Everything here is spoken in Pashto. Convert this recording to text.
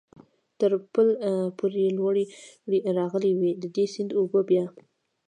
تر پل پورې لوړې راغلې وې، د دې سیند اوبه بیا.